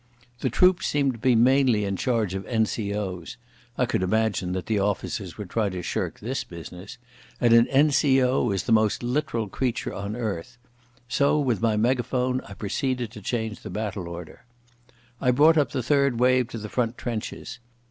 The troops seemed to be mainly in charge of N.C.O.s (I could imagine that the officers would try to shirk this business), and an N.C.O. is the most literal creature on earth. So with my megaphone I proceeded to change the battle order. I brought up the third wave to the front trenches.